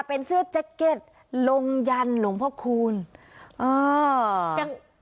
เป็นเสื้อแจ็คเก็ตลงยันหลวงพ่อคูณเออยัง